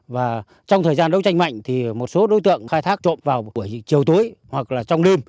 và trong thời gian đấu tranh mạnh thì một số đối tượng khai thác trộm vào buổi chiều tối hoặc là trong đêm